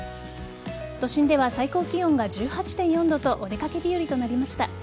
都心では最高気温が１８．４度とお出かけ日和となりました。